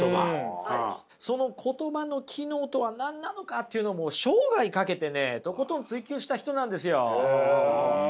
言葉の機能とは何なのかというのを生涯かけてねとことん追求した人なんですよ。